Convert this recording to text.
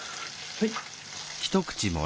はい。